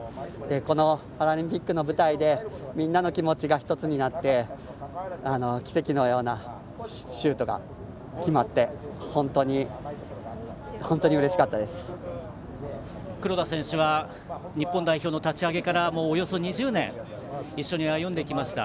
このパラリンピックの舞台でみんなの気持ちが１つになって奇跡のようなシュートが黒田選手は日本代表の立ち上げからおよそ２０年一緒に歩んできました。